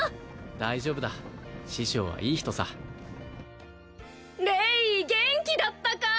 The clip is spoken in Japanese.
大丈夫だ師匠はいい人さレイ元気だったか？